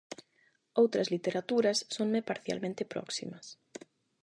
Outras literaturas sonme parcialmente próximas.